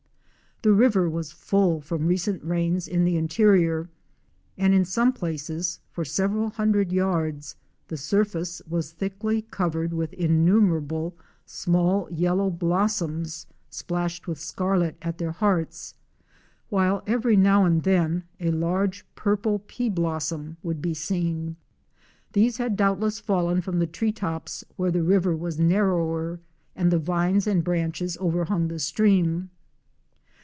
The river was full from recent rains in the interior, and in some places for several hundred yards the surface was thickly covered with innumerable small yellow blossoms splashed with scarlet at their hearts, while every now and then a large purple pea blossom would be seen. These had doubtless fallen from the tree tops where the river was narrower and the vines and branches overhung the stream.